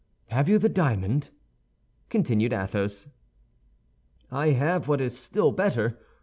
Have you the diamond?" continued Athos. "I have what is still better.